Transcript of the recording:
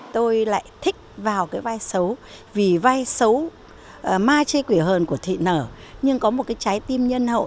tôi lại thích vào cái vai xấu vì vay xấu mai chê quỷ hờn của thị nở nhưng có một cái trái tim nhân hậu